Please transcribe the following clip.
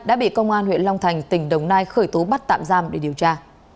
đã bị công an huyện long thành tỉnh đồng nai khởi tố bắt tạm giam để điều tra